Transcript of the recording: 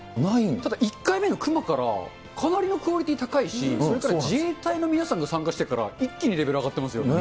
ただ、１回目の熊からかなりのクオリティー高いし、それから自衛隊の皆さんが参加してから、一気にレベル上がってますよね。